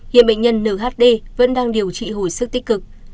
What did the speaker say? hiện bệnh nhân nhd vẫn đang điều trị hồi sức tích cực